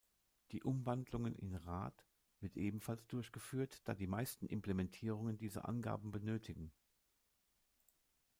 Die Umwandlung in rad wird ebenfalls durchgeführt, da die meisten Implementierungen diese Angaben benötigen.